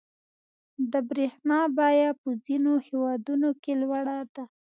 • د برېښنا بیه په ځینو هېوادونو کې لوړه ده.